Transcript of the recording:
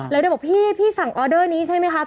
แล้วได้บอกพี่พี่สั่งออเดอร์นี้ใช่ไหมครับ